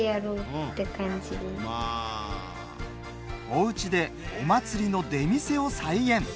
おうちでお祭りの出店を再現！